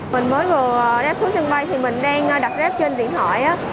mình mới vừa đáp xuống sân bay thì mình đang đặt ráp trên điện thoại